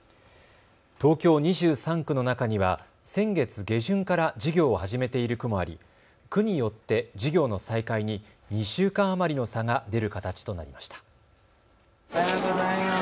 東京２３区の中には先月下旬から授業を始めている区もあり区によって授業の再開に２週間余りの差が出る形となりました。